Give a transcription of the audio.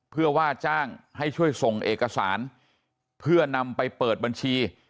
เพื่อว่าจ้างให้ช่วยส่งเอกสารเพื่อนำไปเปิดบัญชี